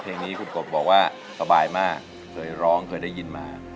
อเรนนี่มันดีค่ะเพราะว่าทางเรามึ่นตึ๊บเลยค่ะจินตลา